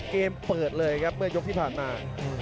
เกมเปิดเลยครับเมื่อยกที่ผ่านมา